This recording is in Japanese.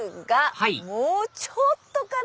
はいもうちょっとかな